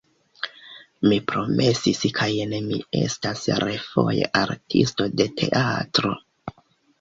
Mi promesis kaj jen mi estas refoje artisto de teatro.